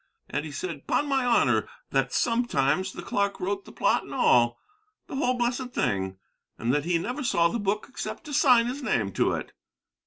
And he said, 'pon my honor, that sometimes the clark wrote the plot and all, the whole blessed thing, and that he never saw the book except to sign his name to it."